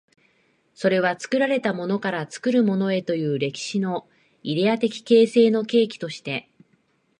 それは作られたものから作るものへという歴史のイデヤ的形成の契機として、